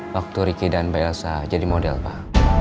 waktu ricky dan mbak elsa jadi model pak